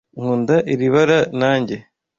Nkunda iri bara, nanjye.